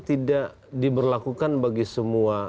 tidak diberlakukan bagi semua